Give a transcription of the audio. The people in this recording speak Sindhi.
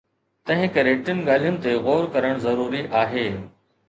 تنهنڪري ٽن ڳالهين تي غور ڪرڻ ضروري آهي.